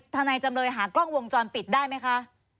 นายจำเลยหากล้องวงจรปิดได้ไหมคะ